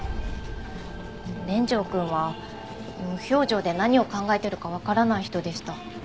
連城くんは無表情で何を考えてるかわからない人でした。